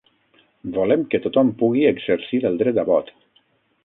Volem que tothom pugui exercir el dret a vot.